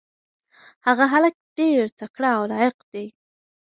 هغه هلک ډېر تکړه او لایق دی.